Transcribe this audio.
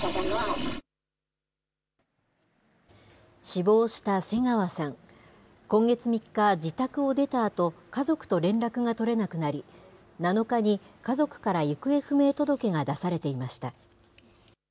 死亡した瀬川さん、今月３日、自宅を出たあと家族と連絡が取れなくなり、７日に家族から行方不明届が出されていました。